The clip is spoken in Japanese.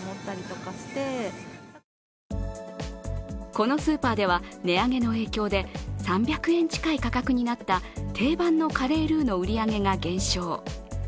このスーパーでは値上げの影響で３００円近い価格になった定番のカレールーの売り上げが減少。